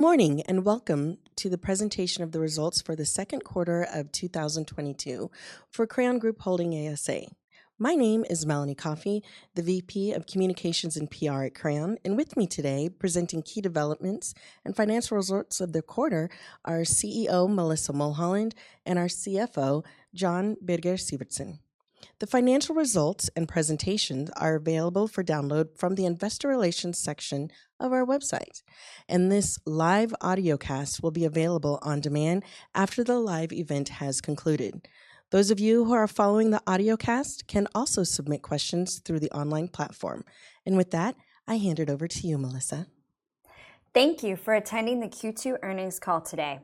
Morning and welcome to the presentation of the results for the second quarter of 2022 for Crayon Group Holding ASA. My name is Melanie Coffee, the VP of Communications and PR at Crayon. With me today presenting key developments and financial results of the quarter are CEO Melissa Mulholland and our CFO, Jon Birger Syvertsen. The financial results and presentations are available for download from the investor relations section of our website. This live audiocast will be available on demand after the live event has concluded. Those of you who are following the audiocast can also submit questions through the online platform. With that, I hand it over to you, Melissa. Thank you for attending the Q2 earnings call today.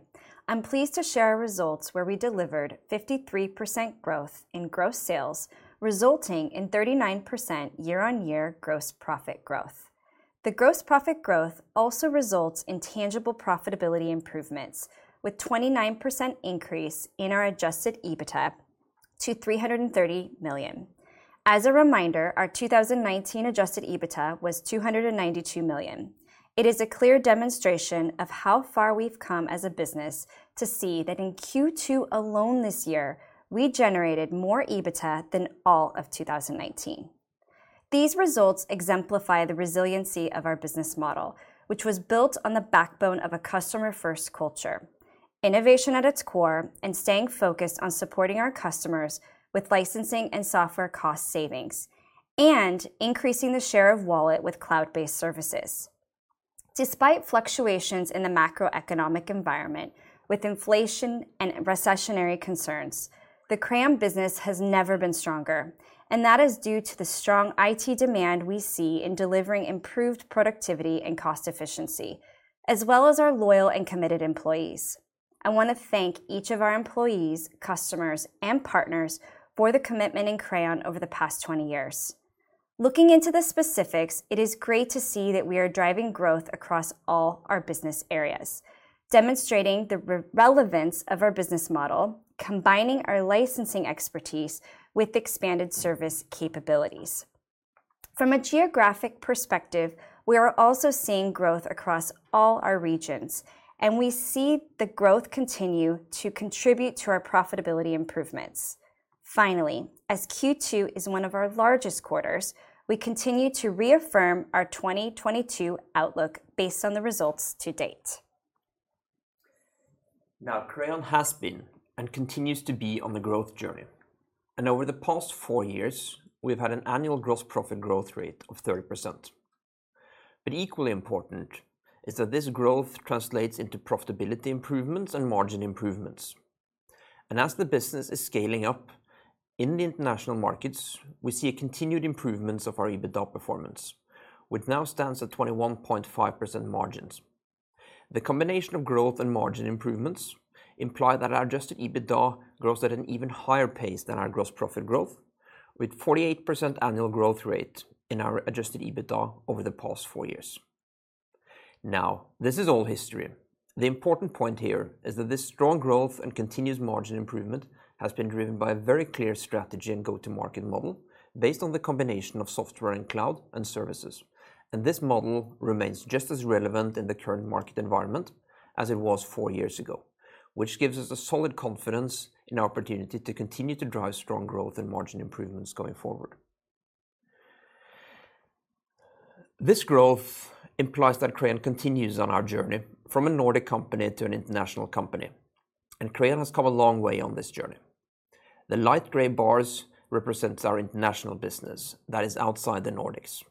I'm pleased to share our results where we delivered 53% growth in gross sales, resulting in 39% year-on-year gross profit growth. The gross profit growth also results in tangible profitability improvements, with 29% increase in our adjusted EBITDA to 330 million. As a reminder, our 2019 adjusted EBITDA was 292 million. It is a clear demonstration of how far we've come as a business to see that in Q2 alone this year, we generated more EBITDA than all of 2019. These results exemplify the resiliency of our business model, which was built on the backbone of a customer-first culture, innovation at its core, and staying focused on supporting our customers with licensing and software cost savings, and increasing the share of wallet with cloud-based services. Despite fluctuations in the macroeconomic environment with inflation and recessionary concerns, the Crayon business has never been stronger, and that is due to the strong IT demand we see in delivering improved productivity and cost efficiency, as well as our loyal and committed employees. I wanna thank each of our employees, customers, and partners for the commitment in Crayon over the past 20 years. Looking into the specifics, it is great to see that we are driving growth across all our business areas, demonstrating the relevance of our business model, combining our licensing expertise with expanded service capabilities. From a geographic perspective, we are also seeing growth across all our regions, and we see the growth continue to contribute to our profitability improvements. Finally, as Q2 is one of our largest quarters, we continue to reaffirm our 2022 outlook based on the results to date. Now, Crayon has been and continues to be on the growth journey, and over the past four years, we've had an annual gross profit growth rate of 30%. Equally important is that this growth translates into profitability improvements and margin improvements. As the business is scaling up in the international markets, we see a continued improvement of our EBITDA performance, which now stands at 21.5% margins. The combination of growth and margin improvements implies that our adjusted EBITDA grows at an even higher pace than our gross profit growth, with 48% annual growth rate in our adjusted EBITDA over the past four years. Now, this is all history. The important point here is that this strong growth and continuous margin improvement has been driven by a very clear strategy and go-to-market model based on the combination of software and cloud and services. This model remains just as relevant in the current market environment as it was four years ago, which gives us a solid confidence in our opportunity to continue to drive strong growth and margin improvements going forward. This growth implies that Crayon continues on our journey from a Nordic company to an international company, and Crayon has come a long way on this journey. The light gray bars represents our international business that is outside the Nordics.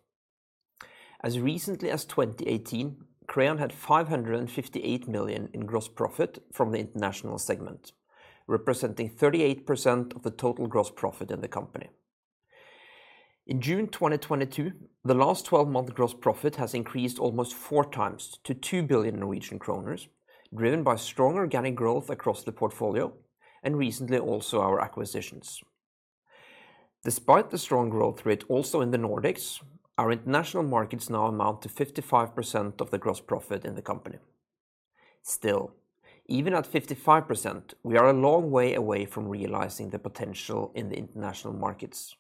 As recently as 2018, Crayon had 558 million in gross profit from the international segment, representing 38% of the total gross profit in the company. In June 2022, the last twelve-month gross profit has increased almost four times to 2 billion Norwegian kroner, driven by strong organic growth across the portfolio and recently also our acquisitions. Despite the strong growth rate also in the Nordics, our international markets now amount to 55% of the gross profit in the company. Still, even at 55%, we are a long way away from realizing the potential in the international markets.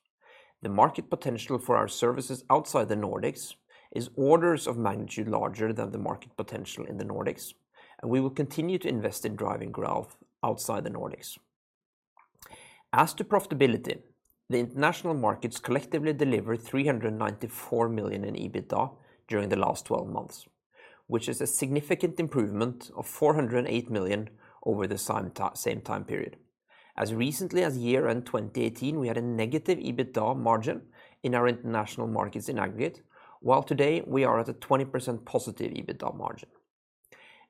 The market potential for our services outside the Nordics is orders of magnitude larger than the market potential in the Nordics, and we will continue to invest in driving growth outside the Nordics. As to profitability, the international markets collectively delivered 394 million in EBITDA during the last twelve months, which is a significant improvement of 408 million over the same time period. As recently as year-end 2018, we had a negative EBITDA margin in our international markets in aggregate, while today we are at a 20% positive EBITDA margin.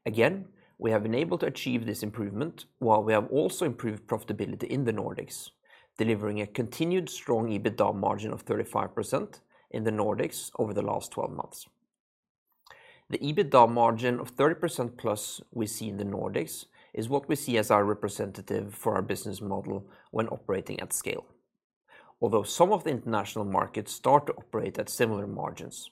Again, we have been able to achieve this improvement while we have also improved profitability in the Nordics, delivering a continued strong EBITDA margin of 35% in the Nordics over the last 12 months. The EBITDA margin of 30% plus we see in the Nordics is what we see as our representative for our business model when operating at scale. Although some of the international markets start to operate at similar margins,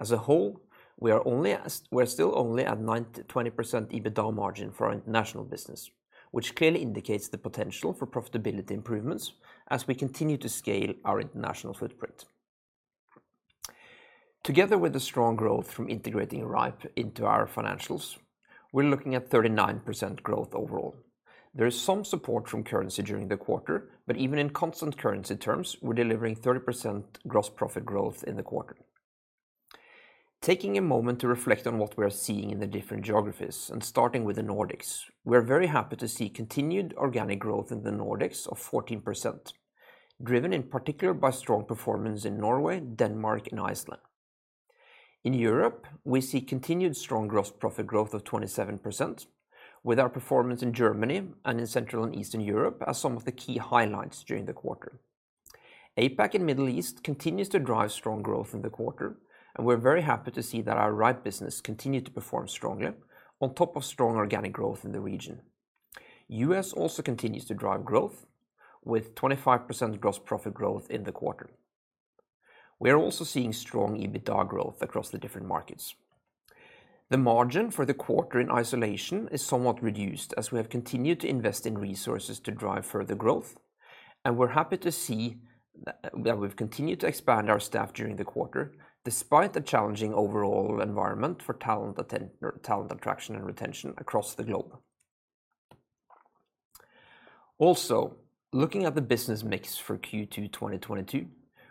as a whole, we're still only at 9%-20% EBITDA margin for our international business, which clearly indicates the potential for profitability improvements as we continue to scale our international footprint. Together with the strong growth from integrating rhipe into our financials, we're looking at 39% growth overall. There is some support from currency during the quarter, but even in constant currency terms, we're delivering 30% gross profit growth in the quarter. Taking a moment to reflect on what we are seeing in the different geographies and starting with the Nordics, we are very happy to see continued organic growth in the Nordics of 14%, driven in particular by strong performance in Norway, Denmark, and Iceland. In Europe, we see continued strong gross profit growth of 27% with our performance in Germany and in Central and Eastern Europe are some of the key highlights during the quarter. APAC and Middle East continues to drive strong growth in the quarter, and we're very happy to see that our Rhipe business continued to perform strongly on top of strong organic growth in the region. U.S. also continues to drive growth with 25% gross profit growth in the quarter. We are also seeing strong EBITDA growth across the different markets. The margin for the quarter in isolation is somewhat reduced as we have continued to invest in resources to drive further growth, and we're happy to see that we've continued to expand our staff during the quarter despite the challenging overall environment for talent attraction and retention across the globe. Also, looking at the business mix for Q2, 2022,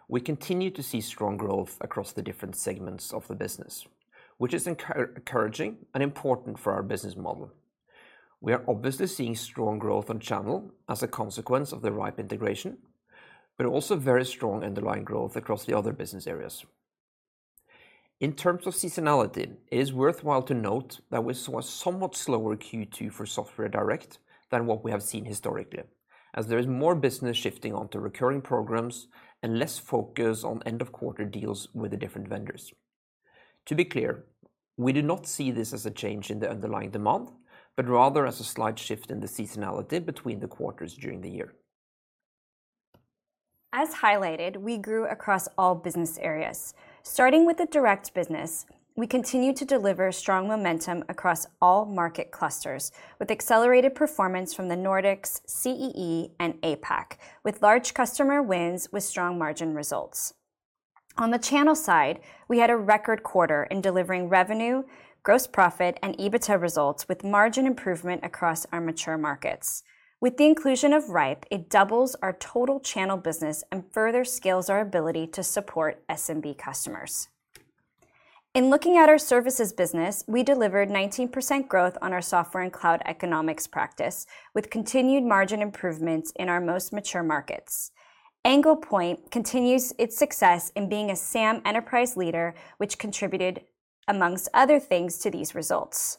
we continue to see strong growth across the different segments of the business, which is encouraging and important for our business model. We are obviously seeing strong growth on channel as a consequence of the rhipe integration, but also very strong underlying growth across the other business areas. In terms of seasonality, it is worthwhile to note that we saw a somewhat slower Q2 for software direct than what we have seen historically, as there is more business shifting onto recurring programs and less focus on end of quarter deals with the different vendors. To be clear, we do not see this as a change in the underlying demand, but rather as a slight shift in the seasonality between the quarters during the year. As highlighted, we grew across all business areas. Starting with the direct business, we continued to deliver strong momentum across all market clusters with accelerated performance from the Nordics, CEE, and APAC, with large customer wins with strong margin results. On the channel side, we had a record quarter in delivering revenue, gross profit, and EBITDA results with margin improvement across our mature markets. With the inclusion of rhipe, it doubles our total channel business and further scales our ability to support SMB customers. In looking at our services business, we delivered 19% growth on our software and cloud economics practice with continued margin improvements in our most mature markets. Anglepoint continues its success in being a SAM enterprise leader, which contributed, among other things, to these results.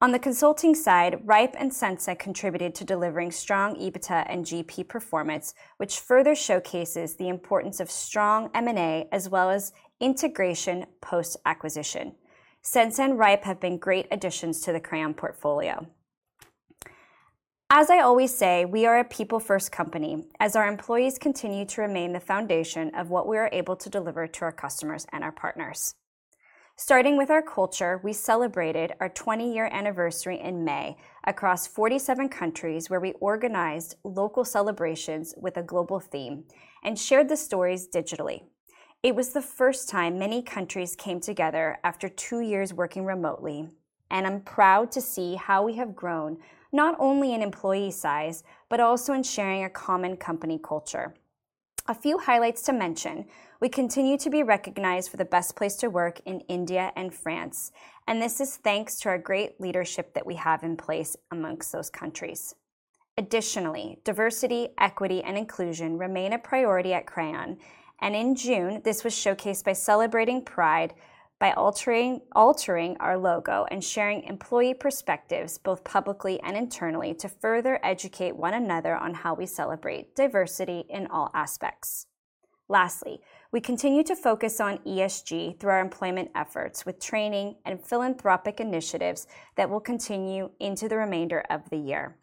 On the consulting side, rhipe and Sensa contributed to delivering strong EBITDA and GP performance, which further showcases the importance of strong M&A as well as integration post-acquisition. Sensa and rhipe have been great additions to the Crayon portfolio. As I always say, we are a people-first company as our employees continue to remain the foundation of what we are able to deliver to our customers and our partners. Starting with our culture, we celebrated our 20-year anniversary in May across 47 countries where we organized local celebrations with a global theme and shared the stories digitally. It was the first time many countries came together after two years working remotely, and I'm proud to see how we have grown, not only in employee size, but also in sharing a common company culture. A few highlights to mention, we continue to be recognized for the best place to work in India and France, and this is thanks to our great leadership that we have in place among those countries. Additionally, diversity, equity, and inclusion remain a priority at Crayon and in June, this was showcased by celebrating Pride by altering our logo and sharing employee perspectives both publicly and internally to further educate one another on how we celebrate diversity in all aspects. Lastly, we continue to focus on ESG through our employment efforts with training and philanthropic initiatives that will continue into the remainder of the year.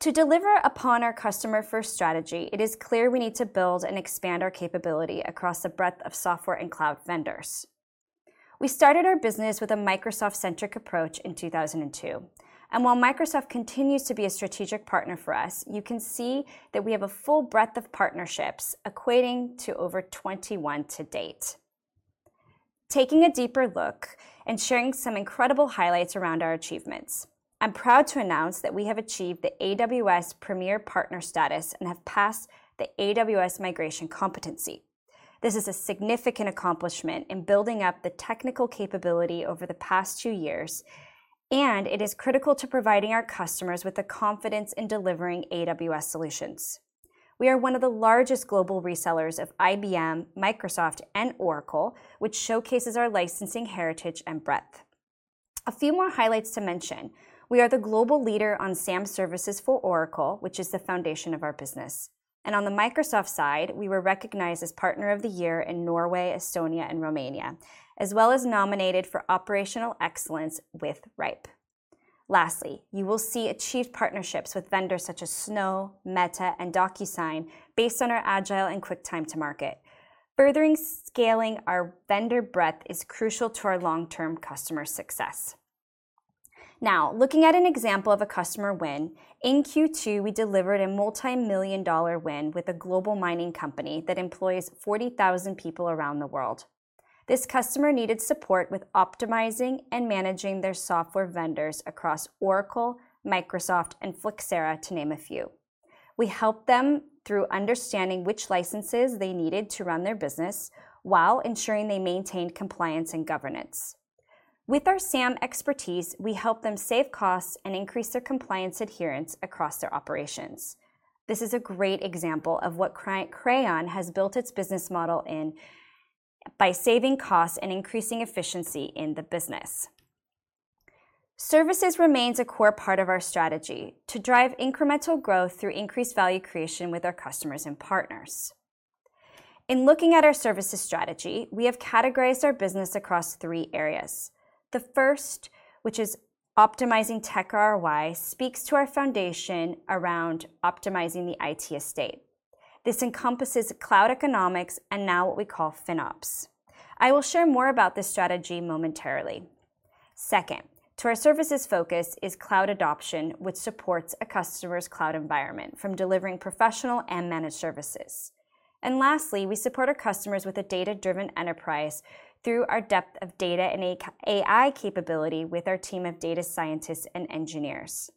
To deliver upon our customer-first strategy, it is clear we need to build and expand our capability across the breadth of software and cloud vendors. We started our business with a Microsoft-centric approach in 2002, and while Microsoft continues to be a strategic partner for us, you can see that we have a full breadth of partnerships equating to over 21 to date. Taking a deeper look and sharing some incredible highlights around our achievements, I'm proud to announce that we have achieved the AWS Premier Partner status and have passed the AWS Migration Competency. This is a significant accomplishment in building up the technical capability over the past two years, and it is critical to providing our customers with the confidence in delivering AWS solutions. We are one of the largest global resellers of IBM, Microsoft, and Oracle, which showcases our licensing heritage and breadth. A few more highlights to mention. We are the global leader on SAM services for Oracle, which is the foundation of our business. On the Microsoft side, we were recognized as partner of the year in Norway, Estonia, and Romania as well as nominated for operational excellence with rhipe. Lastly, you will see achieved partnerships with vendors such as Snow, Meta, and DocuSign based on our agile and quick time to market. Furthering scaling our vendor breadth is crucial to our long-term customer success. Now, looking at an example of a customer win, in Q2, we delivered a $multimillion-dollar win with a global mining company that employs 40,000 people around the world. This customer needed support with optimizing and managing their software vendors across Oracle, Microsoft, and Flexera, to name a few. We helped them through understanding which licenses they needed to run their business while ensuring they maintained compliance and governance. With our SAM expertise, we help them save costs and increase their compliance adherence across their operations. This is a great example of what Crayon has built its business model in by saving costs and increasing efficiency in the business. Services remains a core part of our strategy to drive incremental growth through increased value creation with our customers and partners. In looking at our services strategy, we have categorized our business across three areas. The first, which is optimizing tech ROI, speaks to our foundation around optimizing the IT estate. This encompasses cloud economics and now what we call FinOps. I will share more about this strategy momentarily. Second to our services focus is cloud adoption, which supports a customer's cloud environment from delivering professional and managed services. Lastly, we support our customers with a data-driven enterprise through our depth of data and AI capability with our team of data scientists and engineers.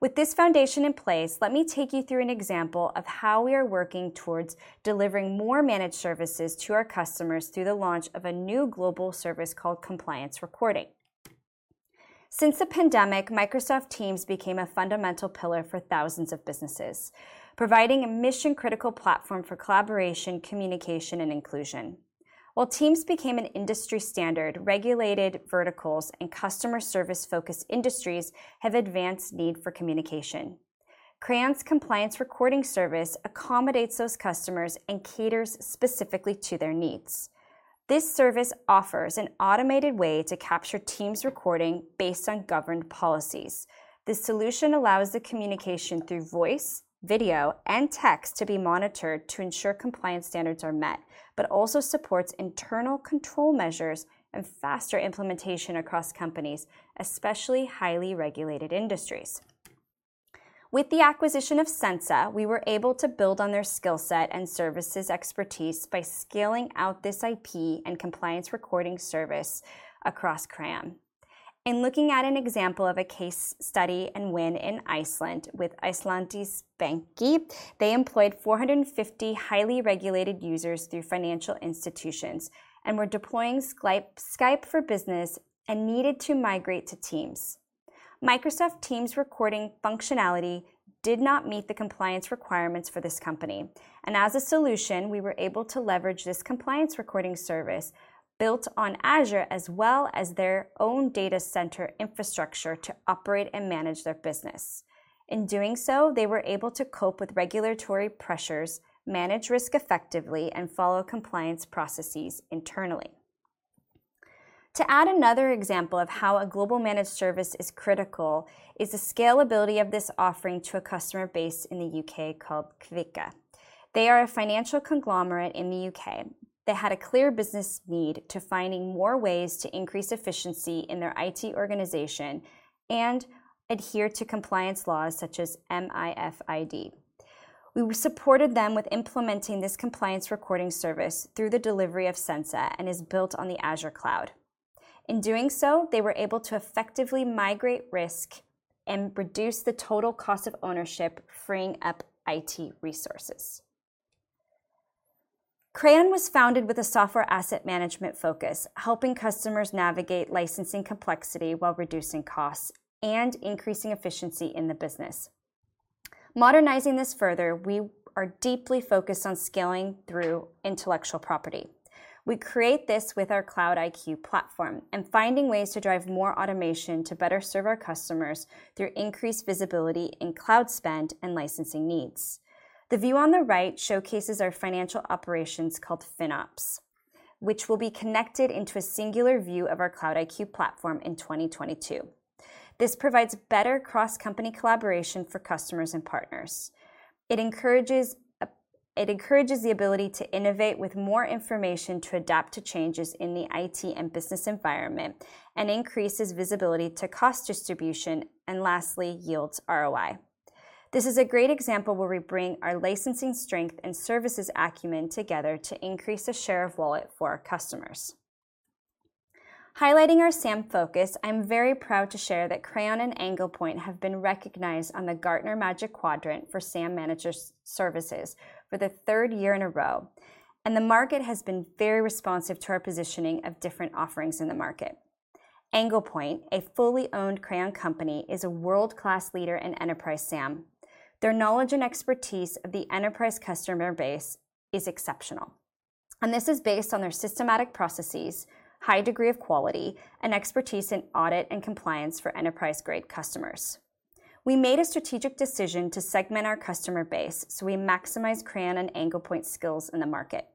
With this foundation in place, let me take you through an example of how we are working towards delivering more managed services to our customers through the launch of a new global service called Compliance Recording. Since the pandemic, Microsoft Teams became a fundamental pillar for thousands of businesses, providing a mission-critical platform for collaboration, communication, and inclusion. While Teams became an industry standard, regulated verticals and customer service-focused industries have an advanced need for communication. Crayon's Compliance Recording service accommodates those customers and caters specifically to their needs. This service offers an automated way to capture Teams recording based on governed policies. This solution allows the communication through voice, video, and text to be monitored to ensure compliance standards are met, but also supports internal control measures and faster implementation across companies, especially highly regulated industries. With the acquisition of Sensa, we were able to build on their skill set and services expertise by scaling out this IP and compliance recording service across Crayon. In looking at an example of a case study and win in Iceland with Íslandsbanki, they employed 450 highly regulated users through financial institutions and were deploying Skype for Business and needed to migrate to Teams. Microsoft Teams recording functionality did not meet the compliance requirements for this company, and as a solution, we were able to leverage this compliance recording service built on Azure as well as their own data center infrastructure to operate and manage their business. In doing so, they were able to cope with regulatory pressures, manage risk effectively, and follow compliance processes internally. To add another example of how a global managed service is critical is the scalability of this offering to a customer base in the UK called Kvika. They are a financial conglomerate in the UK. They had a clear business need to find more ways to increase efficiency in their IT organization and adhere to compliance laws such as MiFID. We supported them with implementing this compliance recording service through the delivery of Sensa and is built on the Azure cloud. In doing so, they were able to effectively mitigate risk and reduce the total cost of ownership, freeing up IT resources. Crayon was founded with a software asset management focus, helping customers navigate licensing complexity while reducing costs and increasing efficiency in the business. Modernizing this further, we are deeply focused on scaling through intellectual property. We create this with our Cloud-iQ platform and finding ways to drive more automation to better serve our customers through increased visibility in cloud spend and licensing needs. The view on the right showcases our financial operations called FinOps, which will be connected into a singular view of our Cloud-iQ platform in 2022. This provides better cross-company collaboration for customers and partners. It encourages the ability to innovate with more information to adapt to changes in the IT and business environment and increases visibility to cost distribution and lastly, yields ROI. This is a great example where we bring our licensing strength and services acumen together to increase the share of wallet for our customers. Highlighting our SAM focus, I'm very proud to share that Crayon and Anglepoint have been recognized on the Gartner Magic Quadrant for SAM management services for the third year in a row, and the market has been very responsive to our positioning of different offerings in the market. Anglepoint, a fully owned Crayon company, is a world-class leader in enterprise SAM. Their knowledge and expertise of the enterprise customer base is exceptional, and this is based on their systematic processes, high degree of quality, and expertise in audit and compliance for enterprise-grade customers. We made a strategic decision to segment our customer base, so we maximize Crayon and Anglepoint skills in the market.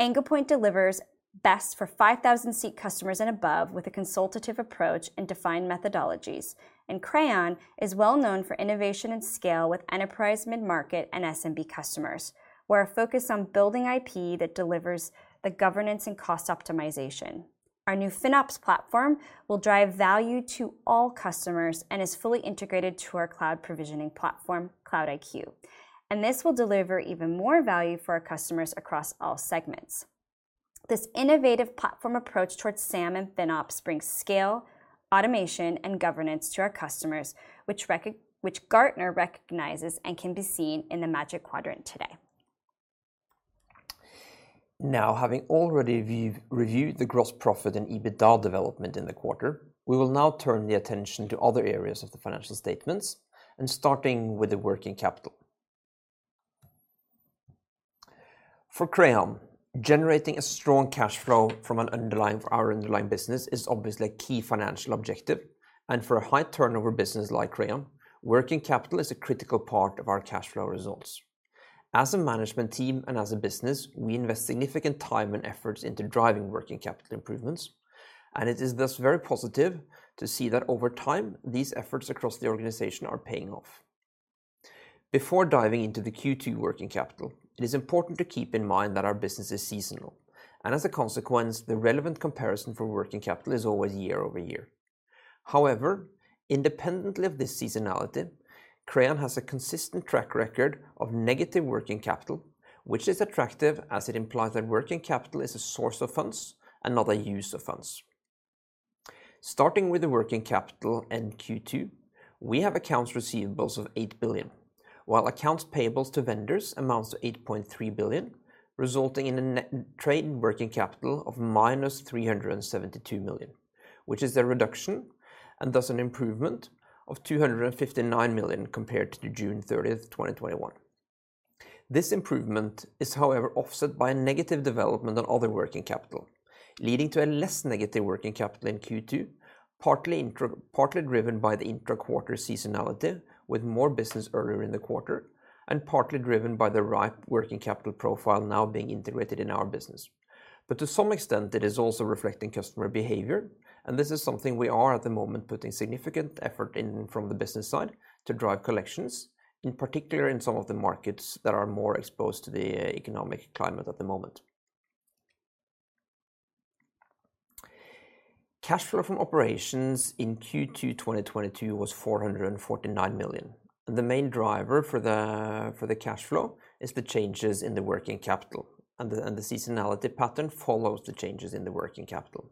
Anglepoint delivers best for 5,000-seat customers and above with a consultative approach and defined methodologies. Crayon is well known for innovation and scale with enterprise mid-market and SMB customers. We're focused on building IP that delivers the governance and cost optimization. Our new FinOps platform will drive value to all customers and is fully integrated to our cloud provisioning platform, Cloud-iQ. This will deliver even more value for our customers across all segments. This innovative platform approach towards SAM and FinOps brings scale, automation, and governance to our customers, which Gartner recognizes and can be seen in the Magic Quadrant today. Now, having already reviewed the gross profit and EBITDA development in the quarter, we will now turn the attention to other areas of the financial statements and starting with the working capital. For Crayon, generating a strong cash flow from our underlying business is obviously a key financial objective, and for a high turnover business like Crayon, working capital is a critical part of our cash flow results. As a management team and as a business, we invest significant time and efforts into driving working capital improvements, and it is thus very positive to see that over time, these efforts across the organization are paying off. Before diving into the Q2 working capital, it is important to keep in mind that our business is seasonal, and as a consequence, the relevant comparison for working capital is always year-over-year. However, independently of this seasonality, Crayon has a consistent track record of negative working capital, which is attractive as it implies that working capital is a source of funds and not a use of funds. Starting with the working capital in Q2, we have accounts receivables of 8 billion, while accounts payables to vendors amounts to 8.3 billion, resulting in a net trade working capital of -372 million, which is a reduction and thus an improvement of 259 million compared to June 30, 2021. This improvement is, however, offset by a negative development on other working capital, leading to a less negative working capital in Q2, partly driven by the intra-quarter seasonality with more business earlier in the quarter and partly driven by the rhipe working capital profile now being integrated in our business. To some extent, it is also reflecting customer behavior, and this is something we are at the moment putting significant effort in from the business side to drive collections, in particular in some of the markets that are more exposed to the economic climate at the moment. Cash flow from operations in Q2 2022 was 449 million. The main driver for the cash flow is the changes in the working capital, and the seasonality pattern follows the changes in the working capital.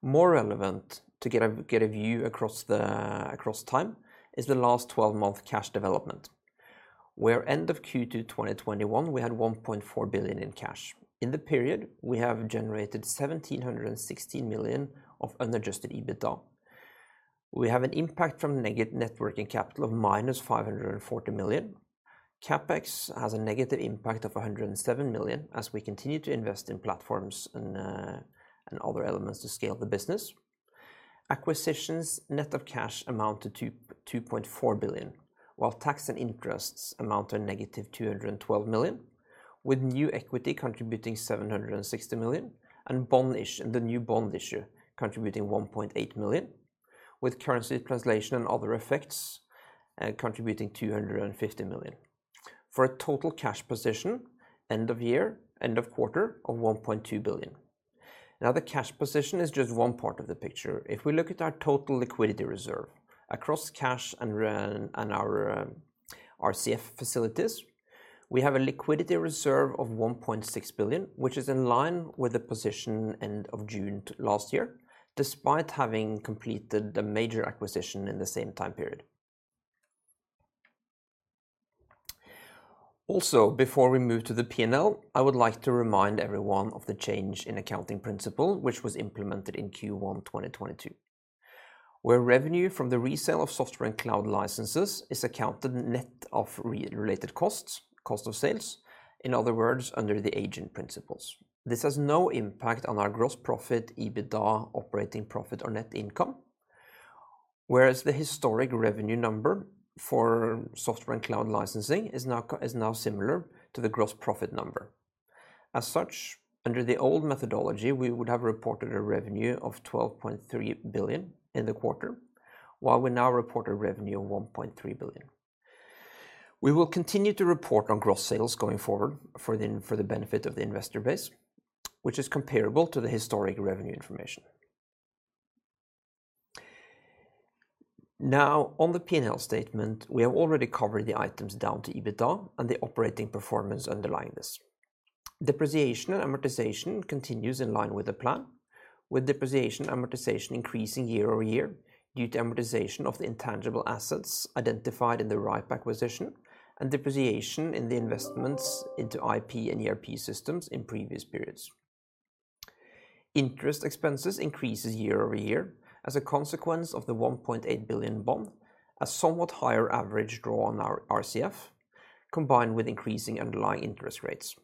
More relevant to get a view across time is the last twelve-month cash development, where end of Q2 2021 we had 1.4 billion in cash. In the period, we have generated 1,716 million of unadjusted EBITDA. We have an impact from net working capital of -540 million. CapEx has a negative impact of 107 million as we continue to invest in platformsand other elements to scale the business. Acquisitions net of cash amount to 2.4 billion, while tax and interests amount to -212 million, with new equity contributing 760 million and the new bond issue contributing 1.8 million, with currency translation and other effects contributing 250 million. For a total cash position end of year, end of quarter of 1.2 billion. Now, the cash position is just one part of the picture. If we look at our total liquidity reserve across cash and RCF facilities, we have a liquidity reserve of 1.6 billion, which is in line with the position en d of June last year, despite having completed a major acquisition in the same time period. Before we move to the P&L, I would like to remind everyone of the change in accounting principle which was implemented in Q1 2022, where revenue from the resale of software and cloud licenses is accounted net of resale-related costs, cost of sales, in other words, under the agency principles. This has no impact on our gross profit, EBITDA, operating profit or net income, whereas the historic revenue number for software and cloud licensing is now similar to the gross profit number. As such, under the old methodology, we would have reported a revenue of 12.3 billion in the quarter, while we now report a revenue of 1.3 billion. We will continue to report on gross sales going forward for the benefit of the investor base, which is comparable to the historic revenue information. Now on the P&L statement, we have already covered the items down to EBITDA and the operating performance underlying this. Depreciation and amortization continues in line with the plan, with depreciation and amortization increasing year-over-year due to amortization of the intangible assets identified in the rhipe acquisition and depreciation in the investments into IP and ERP systems in previous periods. Interest expenses increases year-over-year as a consequence of the 1.8 billion bond, a somewhat higher average draw on our RCF, combined with increasing underlying interest rates.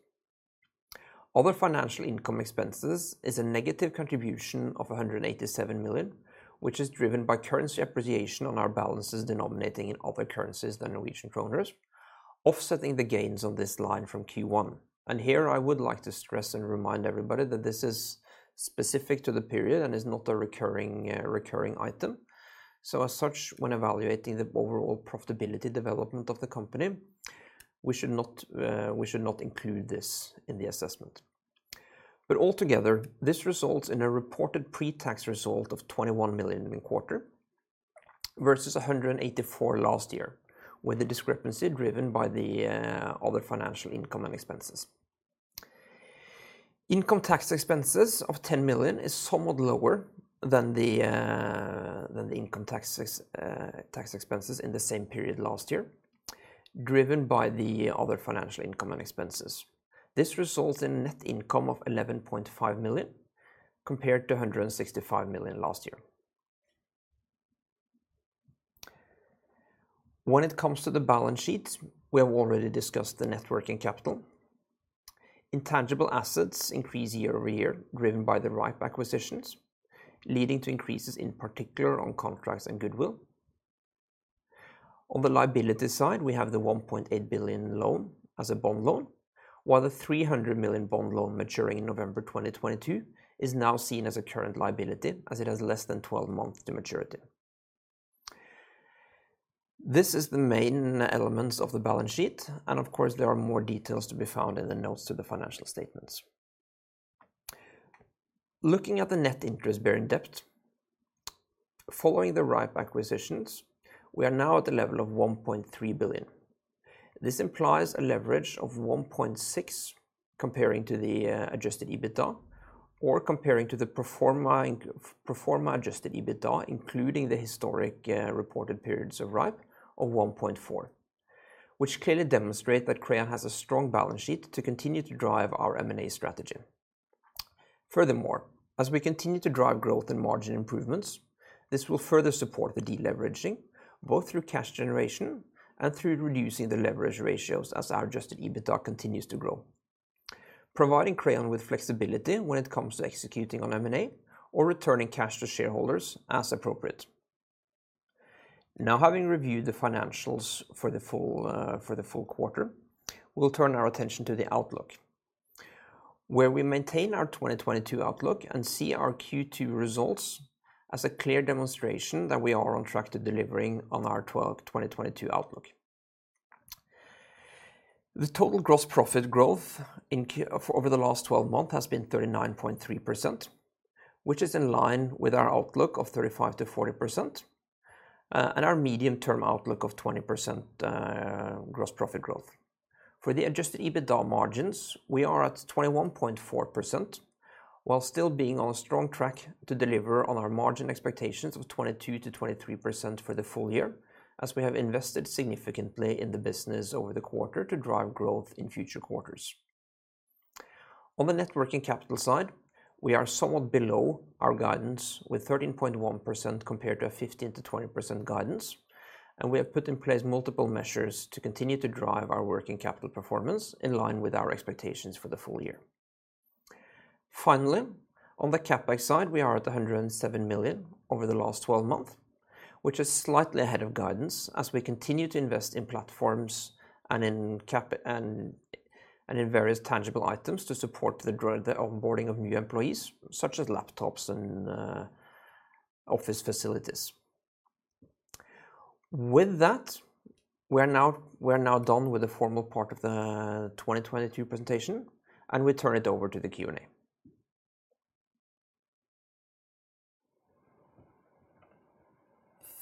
Other financial income and expenses is a negative contribution of 187 million, which is driven by currency appreciation on our balances denominated in other currencies than Norwegian kroner. Offsetting the gains on this line from Q1. Here I would like to stress and remind everybody that this is specific to the period and is not a recurring item. As such, when evaluating the overall profitability development of the company, we should not include this in the assessment. Altogether, this results in a reported pre-tax result of 21 million in quarter versus 184 last year, with the discrepancy driven by the other financial income and expenses. Income tax expenses of 10 million is somewhat lower than the income tax expenses in the same period last year, driven by the other financial income and expenses. This results in net income of 11.5 million compared to 165 million last year. When it comes to the balance sheet, we have already discussed the net working capital. Intangible assets increase year-over-year, driven by the rhipe acquisitions, leading to increases in particular on contracts and goodwill. On the liability side, we have the 1.8 billion loan as a bond loan, while the 300 million bond loan maturing in November 2022 is now seen as a current liability as it has less than twelve months to maturity. This is the main elements of the balance sheet, and of course, there are more details to be found in the notes to the financial statements. Looking at the net interest bearing debt, following the rhipe acquisitions, we are now at a level of 1.3 billion. This implies a leverage of 1.6 comparing to the adjusted EBITDA or comparing to the pro forma adjusted EBITDA, including the historic reported periods of rhipe of 1.4, which clearly demonstrate that Crayon has a strong balance sheet to continue to drive our M&A strategy. Furthermore, as we continue to drive growth and margin improvements, this will further support the deleveraging, both through cash generation and through reducing the leverage ratios as our adjusted EBITDA continues to grow, providing Crayon with flexibility when it comes to executing on M&A or returning cash to shareholders as appropriate. Now having reviewed the financials for the full quarter, we'll turn our attention to the outlook, where we maintain our 2022 outlook and see our Q2 results as a clear demonstration that we are on track to delivering on our 2022 outlook. The total gross profit growth over the last 12 months has been 39.3%, which is in line with our outlook of 35%-40%, and our medium-term outlook of 20% gross profit growth. For the adjusted EBITDA margins, we are at 21.4% while still being on strong track to deliver on our margin expectations of 22%-23% for the full year, as we have invested significantly in the business over the quarter to drive growth in future quarters. On the net working capital side, we are somewhat below our guidance with 13.1% compared to a 15%-20% guidance, and we have put in place multiple measures to continue to drive our working capital performance in line with our expectations for the full year. Finally, on the CapEx side, we are at 107 million over the last 12 months, which is slightly ahead of guidance as we continue to invest in platforms and in various tangible items to support the onboarding of new employees, such as laptops and office facilities. With that, we are now done with the formal part of the 2022 presentation, and we turn it over to the Q&A.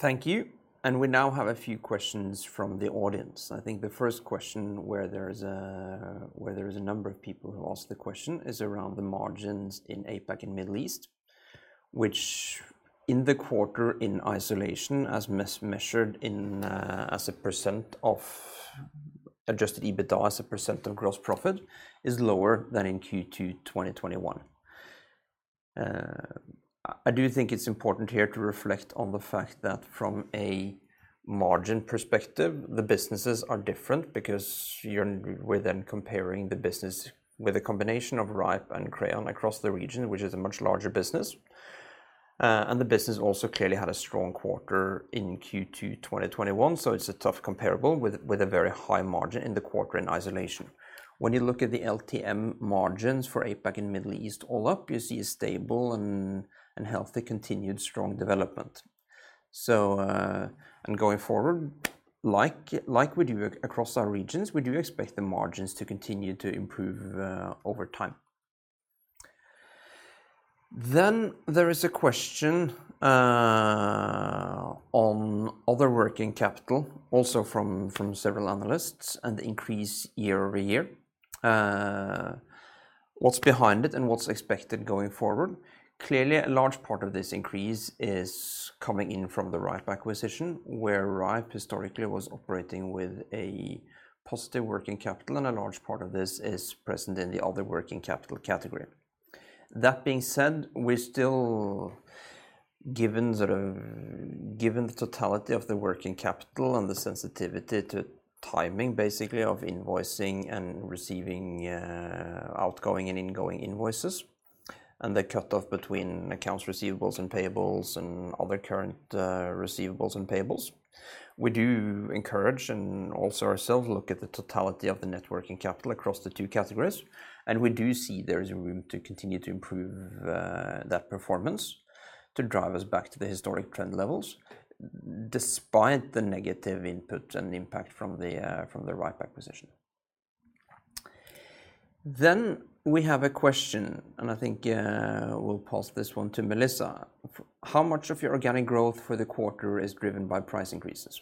Thank you. We now have a few questions from the audience. I think the first question where there is a number of people who ask the question is around the margins in APAC and Middle East, which in the quarter in isolation as measured in, as a % of adjusted EBITDA, as a % of gross profit, is lower than in Q2 2021. I do think it's important here to reflect on the fact that from a margin perspective, the businesses are different because we're then comparing the business with a combination of rhipe and Crayon across the region, which is a much larger business. The business also clearly had a strong quarter in Q2 2021. It's a tough comparable with a very high margin in the quarter in isolation. When you look at the LTM margins for APAC and Middle East all up, you see a stable and healthy continued strong development. Going forward, like we do across our regions, we do expect the margins to continue to improve over time. There is a question on other working capital, also from several analysts and the increase year over year. What's behind it and what's expected going forward? Clearly, a large part of this increase is coming in from the rhipe acquisition, where rhipe historically was operating with a positive working capital, and a large part of this is present in the other working capital category. That being said, we still, given sort of, given the totality of the working capital and the sensitivity to timing, basically, of invoicing and receiving, outgoing and ingoing invoices and the cutoff between accounts receivables and payables and other current receivables and payables. We do encourage and also ourselves look at the totality of the net working capital across the two categories, and we do see there is room to continue to improve that performance to drive us back to the historic trend levels despite the negative input and impact from the rhipe acquisition. We have a question, and I think we'll pose this one to Melissa. How much of your organic growth for the quarter is driven by price increases?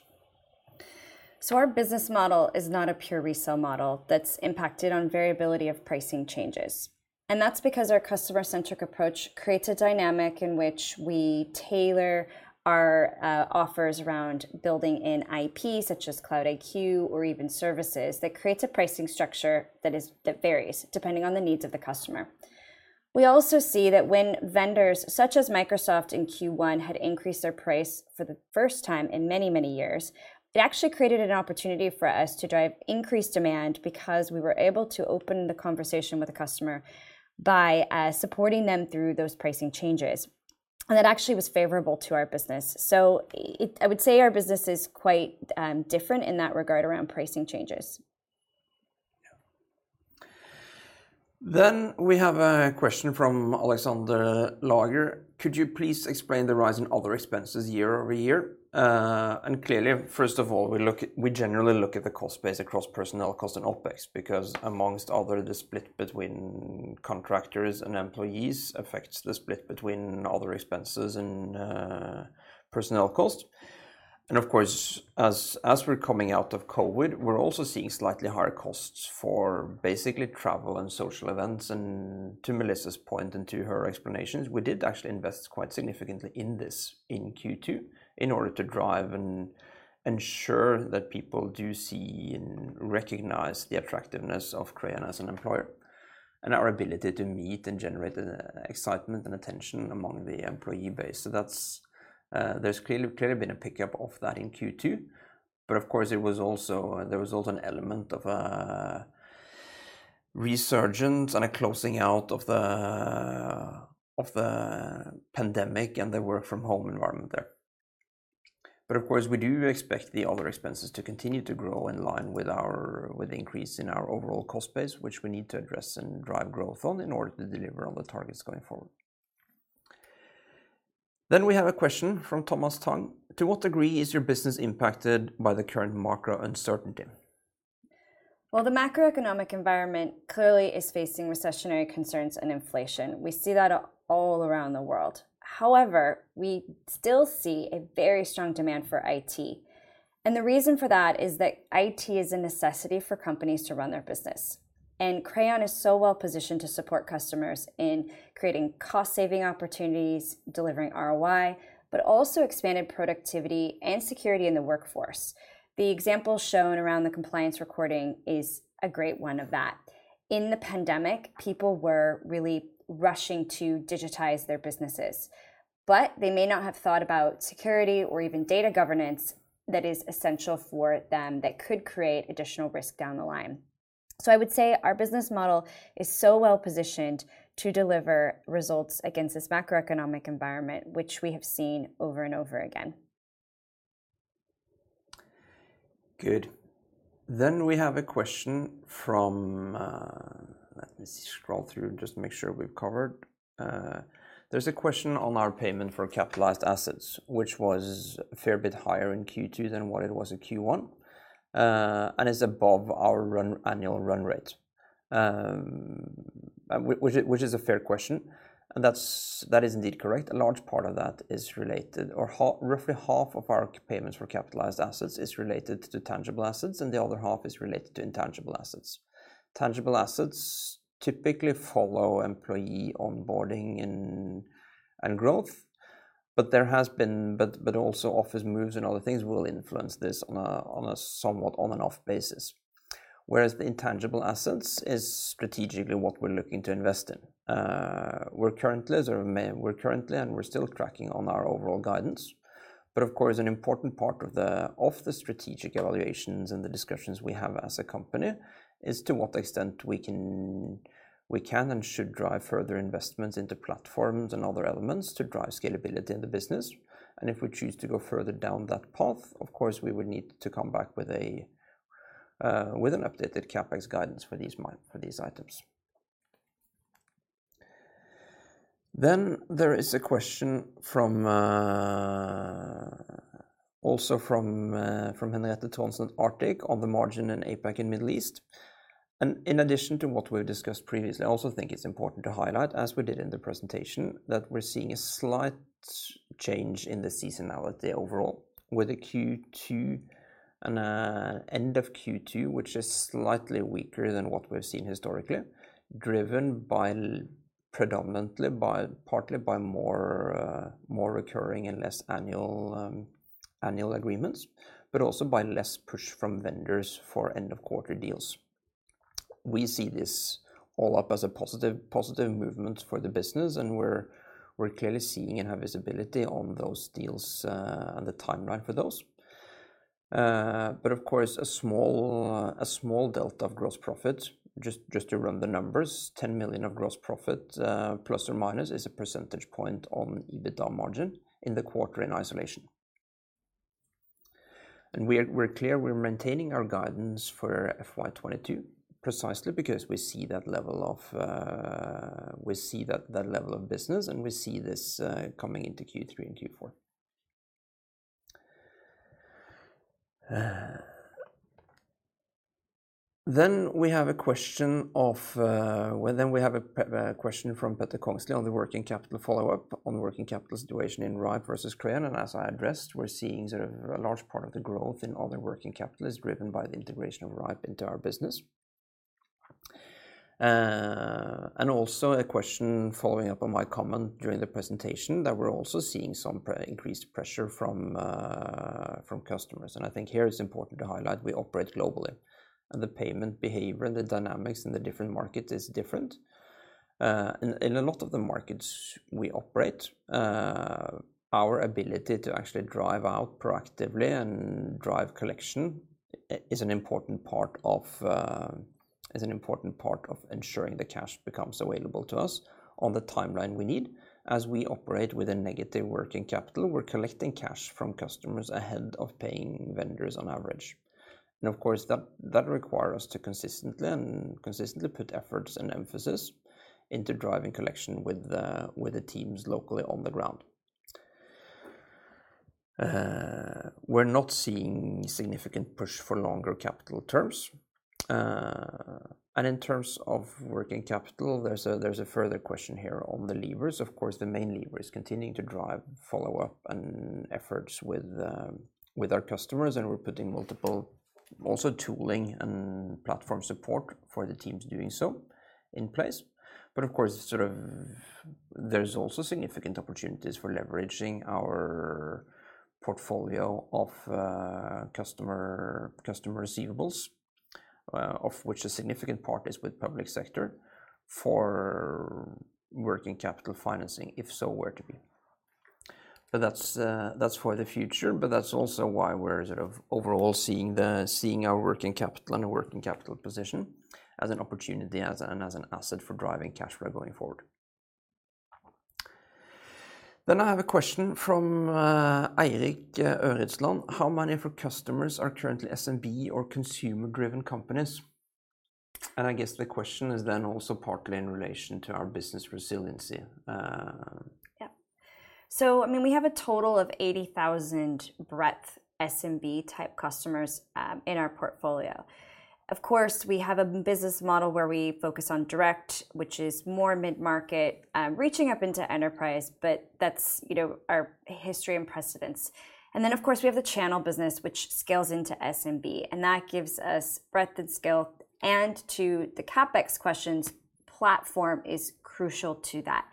Our business model is not a pure resale model that's impacted on variability of pricing changes, and that's because our customer-centric approach creates a dynamic in which we tailor our offers around building in IP, such as Cloud-iQ or even services, that creates a pricing structure that varies depending on the needs of the customer. We also see that when vendors such as Microsoft in Q1 had increased their price for the first time in many, many years, it actually created an opportunity for us to drive increased demand because we were able to open the conversation with the customer by supporting them through those pricing changes. That actually was favorable to our business. I would say our business is quite different in that regard around pricing changes. Yeah. We have a question from Alexander Lager. Could you please explain the rise in other expenses year-over-year? Clearly, first of all, we generally look at the cost base across personnel cost and OpEx because among other, the split between contractors and employees affects the split between other expenses and personnel cost. Of course, as we're coming out of COVID, we're also seeing slightly higher costs for basically travel and social events. To Melissa's point and to her explanations, we did actually invest quite significantly in this in Q2 in order to drive and ensure that people do see and recognize the attractiveness of Crayon as an employer and our ability to meet and generate excitement and attention among the employee base. There's clearly been a pickup of that in Q2. Of course, there was also an element of a resurgence and a closing out of the pandemic and the work from home environment there. Of course, we do expect the other expenses to continue to grow in line with the increase in our overall cost base, which we need to address and drive growth on in order to deliver on the targets going forward. We have a question from Thomas Tang. To what degree is your business impacted by the current macro uncertainty? Well, the macroeconomic environment clearly is facing recessionary concerns and inflation. We see that all around the world. However, we still see a very strong demand for IT. The reason for that is that IT is a necessity for companies to run their business. Crayon is so well positioned to support customers in creating cost saving opportunities, delivering ROI, but also expanded productivity and security in the workforce. The example shown around the Compliance Recording is a great one of that. In the pandemic, people were really rushing to digitize their businesses, but they may not have thought about security or even data governance that is essential for them that could create additional risk down the line. I would say our business model is so well positioned to deliver results against this macroeconomic environment, which we have seen over and over again. Good. We have a question from, let me scroll through and just make sure we've covered. There's a question on our payment for capitalized assets, which was a fair bit higher in Q2 than what it was in Q1, and is above our annual run rate, which is a fair question. That is indeed correct. A large part of that is related, roughly half of our payments for capitalized assets is related to tangible assets, and the other half is related to intangible assets. Tangible assets typically follow employee onboarding and growth. But also office moves and other things will influence this on a somewhat on and off basis. Whereas the intangible assets is strategically what we're looking to invest in. We're currently as of May, and we're still tracking on our overall guidance. Of course, an important part of the strategic evaluations and the discussions we have as a company is to what extent we can and should drive further investments into platforms and other elements to drive scalability in the business. If we choose to go further down that path, of course, we would need to come back with an updated CapEx guidance for these items. There is a question from Henriette Trondsen, Arctic Securities, on the margin in APAC and Middle East. In addition to what we've discussed previously, I also think it's important to highlight, as we did in the presentation, that we're seeing a slight change in the seasonality overall with the Q2 and end of Q2, which is slightly weaker than what we've seen historically, driven predominantly by, partly by more recurring and less annual agreements, but also by less push from vendors for end of quarter deals. We see this overall as a positive movement for the business, and we're clearly seeing and have visibility on those deals and the timeline for those. But of course, a small delta of gross profit, just to run the numbers, 10 million of gross profit plus or minus is a percentage point on EBITDA margin in the quarter in isolation. We're clear we're maintaining our guidance for FY22 precisely because we see that level of business, and we see this coming into Q3 and Q4. We have a question from Peter Kongsli on the working capital follow-up, on working capital situation in rhipe versus Crayon. As I addressed, we're seeing sort of a large part of the growth in all the working capital is driven by the integration of rhipe into our business. Also a question following up on my comment during the presentation that we're also seeing some increased pressure from customers. I think here it's important to highlight we operate globally, and the payment behavior and the dynamics in the different markets are different. In a lot of the markets we operate, our ability to actually drive out proactively and drive collection is an important part of ensuring the cash becomes available to us on the timeline we need. As we operate with a negative working capital, we're collecting cash from customers ahead of paying vendors on average. Of course, that require us to consistently put efforts and emphasis into driving collection with the teams locally on the ground. We're not seeing significant push for longer capital terms. In terms of working capital, there's a further question here on the levers. Of course, the main lever is continuing to drive follow-up and efforts with our customers, and we're putting multiple also tooling and platform support for the teams doing so in place. But of course, sort of there's also significant opportunities for leveraging our portfolio of customer receivables, of which a significant part is with public sector, for working capital financing if so were to be. But that's for the future, but that's also why we're sort of overall seeing our working capital position as an opportunity and as an asset for driving cash flow going forward. I have a question from Eirik Øwre Thorsnes. How many of your customers are currently SMB or consumer-driven companies? And I guess the question is then also partly in relation to our business resiliency. Yeah. I mean, we have a total of 80,000 breadth SMB-type customers in our portfolio. Of course, we have a business model where we focus on direct, which is more mid-market, reaching up into enterprise, but that's, you know, our history and precedent. Of course, we have the channel business which scales into SMB, and that gives us breadth and scale. To the CapEx questions, platform is crucial to that.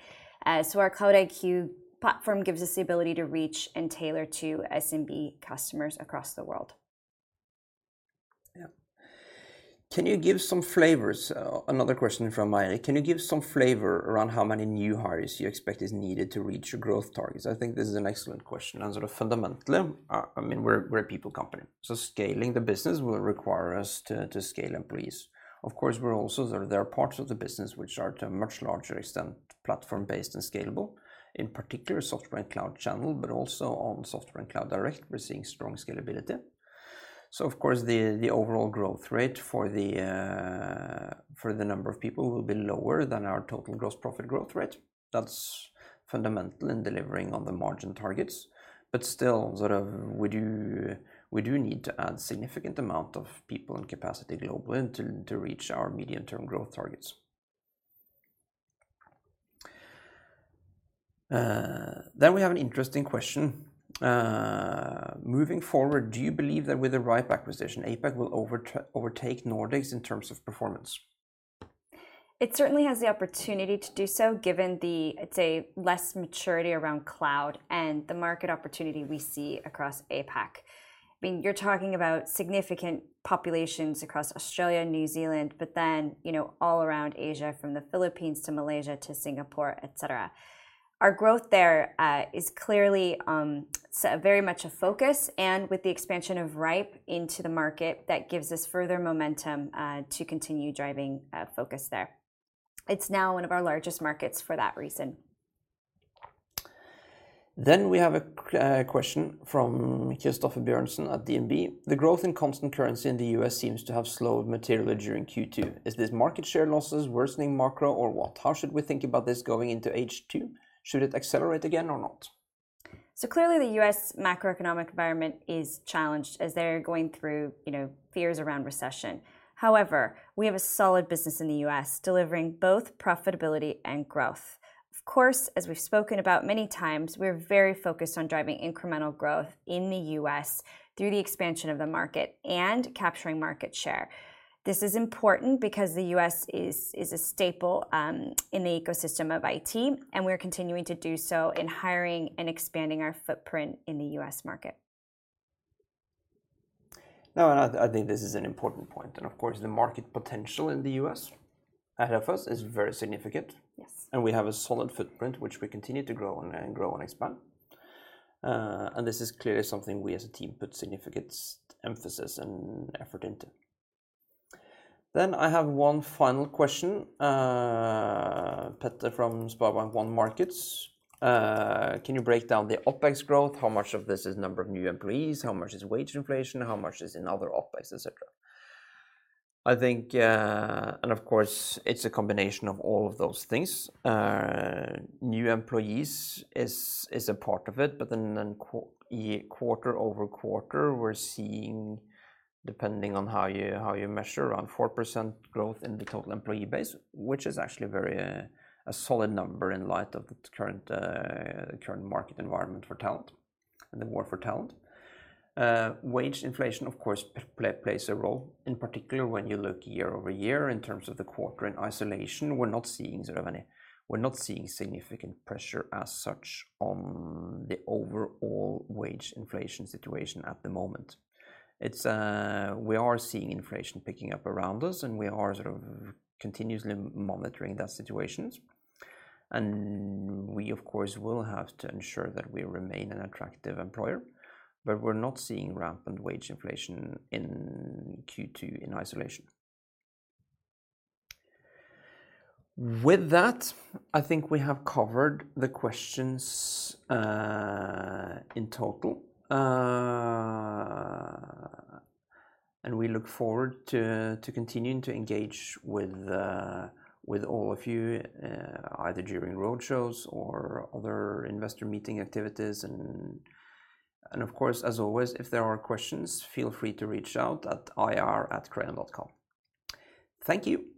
Our Cloud-iQ platform gives us the ability to reach and tailor to SMB customers across the world. Another question from Eirik. Can you give some flavor around how many new hires you expect is needed to reach your growth targets? I think this is an excellent question. Sort of fundamentally, I mean, we're a people company, so scaling the business will require us to scale employees. Of course, we're also. There are parts of the business which are to a much larger extent platform-based and scalable, in particular software and cloud channel, but also on software and cloud direct, we're seeing strong scalability. Of course, the overall growth rate for the number of people will be lower than our total gross profit growth rate. That's fundamental in delivering on the margin targets. Still, sort of we do need to add significant amount of people and capacity globally and to reach our medium-term growth targets. We have an interesting question. Moving forward, do you believe that with the rhipe acquisition, APAC will overtake Nordics in terms of performance? It certainly has the opportunity to do so given the, let's say, less maturity around cloud and the market opportunity we see across APAC. I mean, you're talking about significant populations across Australia and New Zealand, but then, you know, all around Asia, from the Philippines to Malaysia to Singapore, et cetera. Our growth there is clearly very much a focus, and with the expansion of rhipe into the market, that gives us further momentum to continue driving focus there. It's now one of our largest markets for that reason. We have a question from Christoffer Wang Bjørnsen at DNB. The growth in constant currency in the U.S. seems to have slowed materially during Q2. Is this market share losses worsening macro or what? How should we think about this going into H2? Should it accelerate again or not? Clearly the U.S. macroeconomic environment is challenged as they're going through, you know, fears around recession. However, we have a solid business in the U.S. delivering both profitability and growth. Of course, as we've spoken about many times, we're very focused on driving incremental growth in the U.S. through the expansion of the market and capturing market share. This is important because the U.S. is a staple in the ecosystem of IT, and we're continuing to do so in hiring and expanding our footprint in the U.S. market. No, I think this is an important point, and of course the market potential in the U.S. ahead of us is very significant. Yes. We have a solid footprint, which we continue to grow and grow and expand. This is clearly something we as a team put significant emphasis and effort into. I have one final question, Peter from SpareBank 1 Markets. Can you break down the OpEx growth? How much of this is number of new employees? How much is wage inflation? How much is in other OpEx, et cetera? I think, and of course, it's a combination of all of those things. New employees is a part of it. In quarter-over-quarter, we're seeing, depending on how you measure, around 4% growth in the total employee base, which is actually very a solid number in light of the current market environment for talent and the war for talent. Wage inflation, of course, plays a role, in particular when you look year over year. In terms of the quarter in isolation, we're not seeing significant pressure as such on the overall wage inflation situation at the moment. We are seeing inflation picking up around us, and we are sort of continuously monitoring that situation. We, of course, will have to ensure that we remain an attractive employer. We're not seeing rampant wage inflation in Q2 in isolation. With that, I think we have covered the questions in total. We look forward to continuing to engage with all of you, either during roadshows or other investor meeting activities. Of course, as always, if there are questions, feel free to reach out at ir@crayon.com. Thank you.